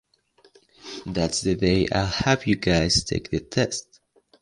That's the day I'll have you guys take the test.